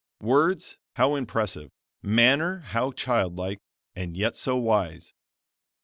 Words how impressive! manner how child like, and yet so wise!